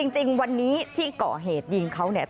จริงวันนี้ที่ก่อเหตุยิงเขาเนี่ย